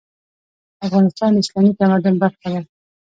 افغانستان د اسلامي تمدن برخه ده.